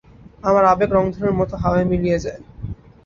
আমার আবেগ রংধনুর মত হাওয়ায় মিলিয়ে যায়।